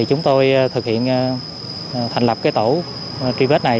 chúng tôi thực hiện thành lập tổ truy vết này